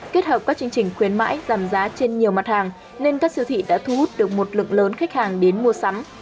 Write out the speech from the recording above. kết hợp các chương trình khuyến mãi giảm giá trên nhiều mặt hàng nên các siêu thị đã thu hút được một lượng lớn khách hàng đến mua sắm